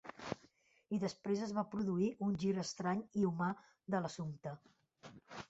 I després es va produir un gir estrany i humà de l'assumpte.